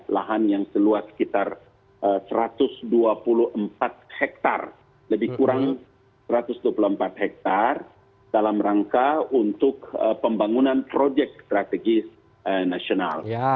lahan yang seluas sekitar satu ratus dua puluh empat hektare lebih kurang satu ratus dua puluh empat hektare dalam rangka untuk pembangunan proyek strategis nasional